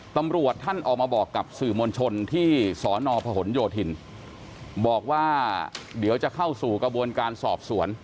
ตำรวจท่านออกมาบอกกับสื่อมวลชนที่สอนอพหนโยธินบอกว่าเดี๋ยวจะเข้าสู่กระบวนการสอบสวน